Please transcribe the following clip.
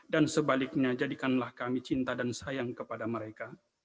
dan sebaliknya jadikanlah kami cinta dan sayang kepada mereka